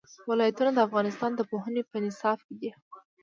ولایتونه د افغانستان د پوهنې په نصاب کې دي.